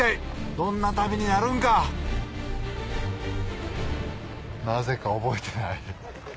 どんな旅になるんかなぜか覚えてない。